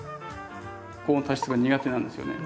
高温多湿が苦手なんですよね。